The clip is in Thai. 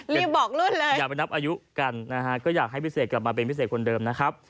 บอกรุ่นเลยอย่าไปนับอายุกันนะฮะก็อยากให้พิเศษกลับมาเป็นพิเศษคนเดิมนะครับ